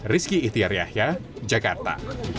rizky itiariah jakarta